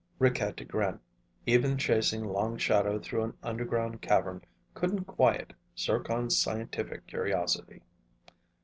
Rick had to grin. Even chasing Long Shadow through an underground cavern couldn't quiet Zircon's scientific curiosity.